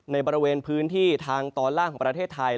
ในบริเวณพื้นที่ทางตอนล่างของประเทศไทย